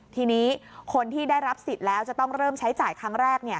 ทีนี้คนที่ได้รับสิทธิ์แล้วจะต้องเริ่มใช้จ่ายครั้งแรก